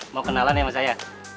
mau kenalan sama saya